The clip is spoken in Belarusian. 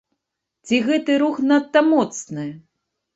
Ці гэты рух надта моцны?